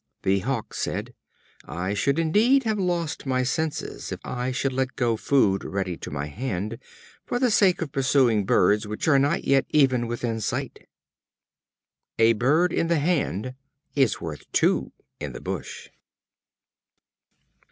The Hawk said: "I should indeed have lost my senses if I should let go food ready to my hand, for the sake of pursuing birds which are not yet even within sight." A bird in the hand is worth two in the bush.